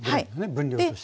分量としては。